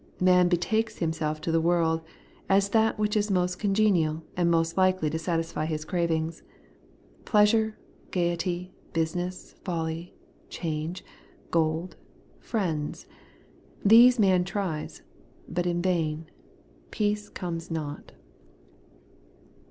Man betakes himself to the world, as that which is most congenial, and most likely to satisfy his cravings. Pleasure^ gaiety, business, folly, change, gold, friends, — these man tries ; but in vain. Peace comes not.